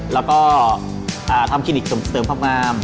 แล้วก็ทำคลินิกเสริมความงาม